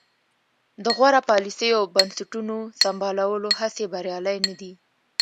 د غوره پالیسیو او بنسټونو سمبالولو هڅې بریالۍ نه دي.